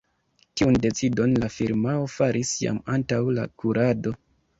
Tiun decidon la firmao faris jam antaŭ la kurado.